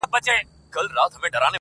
د وحشت؛ په ښاریه کي زندگي ده.